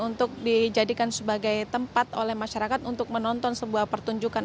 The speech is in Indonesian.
untuk dijadikan sebagai tempat oleh masyarakat untuk menonton sebuah pertunjukan